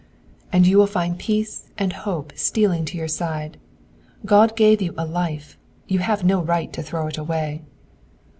"And you will find peace and hope stealing to your side. God gave you a life; you have no right to throw it away."